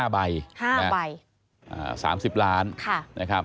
๕ใบ๓๐ล้าน